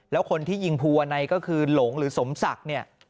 แล้วคนที่ยิงภูวะในก็คือหลงหรือสมศักดิ์เนี่ย